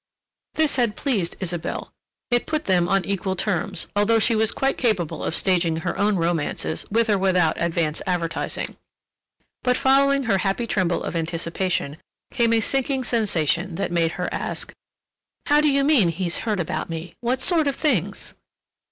This had pleased Isabelle. It put them on equal terms, although she was quite capable of staging her own romances, with or without advance advertising. But following her happy tremble of anticipation, came a sinking sensation that made her ask: "How do you mean he's heard about me? What sort of things?"